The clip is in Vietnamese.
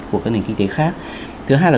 của các nền kinh tế khác thứ hai là